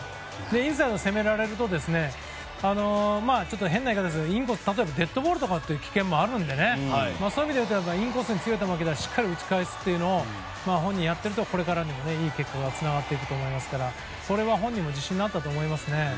インサイドを攻められるとちょっと、変な言い方ですけど例えばデッドボールとかという危険もあるのでそういう意味で言うとインコースに強く受けた球をしっかり打ち返すというのをやっているとこれからもいい結果につながっていくと思いますからそれは本人も自信があったと思いますね。